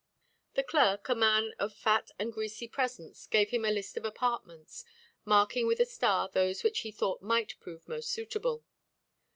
The clerk, a man of fat and greasy presence, gave him a list of apartments, marking with a star those which he thought might prove most suitable.